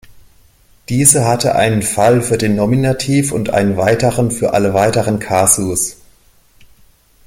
Diese hatte einen Fall für den Nominativ und einen weiteren für alle weiteren Kasus.